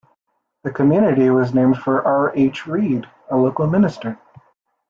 The community was named for R. H. Reid, a local minister.